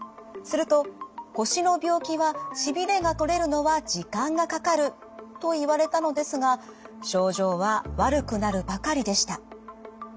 すると腰の病気はしびれが取れるのは時間がかかるといわれたのですが症状は悪くなるばかりでした。